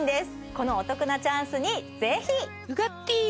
このお得なチャンスにぜひ！